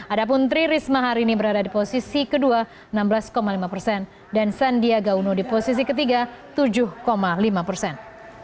adapun tri risma hari ini berada di posisi kedua enam belas lima persen dan sandiaga uno di posisi ketiga tujuh lima persen